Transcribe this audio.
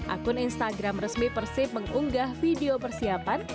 akun instagram resmi persib mengunggah video persiapan